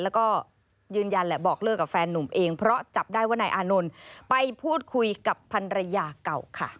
แล้วก็ยืนยันแหละบอกเลิกกับแฟนนุ่มเองเพราะจับได้ว่านายอานนท์ไปพูดคุยกับพันรยาเก่าค่ะ